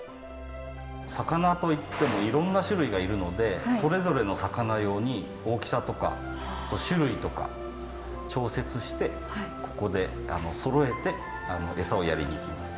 魚といってもいろんな種類がいるのでそれぞれの魚用に大きさとか種類とか調節してここでそろえて餌をやりに行きます。